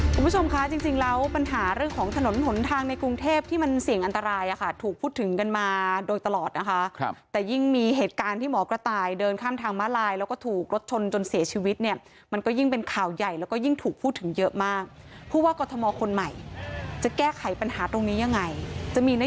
มีความคิดว่ามีความคิดว่ามีความคิดว่ามีความคิดว่ามีความคิดว่ามีความคิดว่ามีความคิดว่ามีความคิดว่ามีความคิดว่ามีความคิดว่ามีความคิดว่ามีความคิดว่ามีความคิดว่ามีความคิดว่ามีความคิดว่ามีความคิดว่ามีความคิดว่ามีความคิดว่ามีความคิ